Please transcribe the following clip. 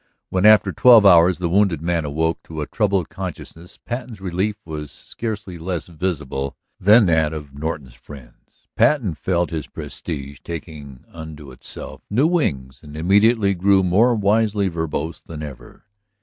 When, after twelve hours, the wounded man awoke to a troubled consciousness Patten's relief was scarcely less visible than that of Norton's friends. Patten felt his prestige taking unto itself new wings and immediately grew more wisely verbose than ever.